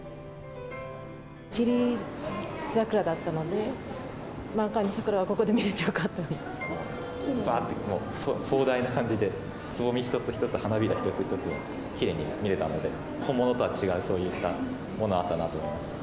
散り桜だったので、ばーっと、壮大な感じでつぼみ一つ一つ、花びら一つ一つがきれいに見れたので、本物とは違うそういったものがあったなと。